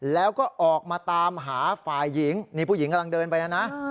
แล้วก็ออกมาตามหาฝ่ายหญิงนี่ผู้หญิงกำลังเดินไปแล้วนะ